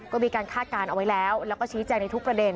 ก็มีการฆาตการเอาไว้แล้วและก็ฉีดใจในทุกประเด็น